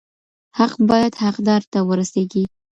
حق بايد حقدار ته ورسيږي.